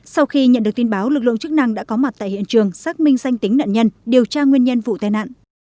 sau khi nhận được tin báo lực lượng chức năng đã có mặt tại hiện trường xác minh danh tính nạn nhân điều tra nguyên nhân vụ tai nạn